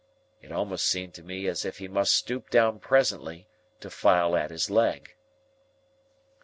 It almost seemed to me as if he must stoop down presently, to file at his leg.